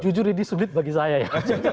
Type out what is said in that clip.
jujur ini sulit bagi saya ya